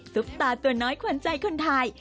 ซุปตาตัวน้อยขวานใจคนไทย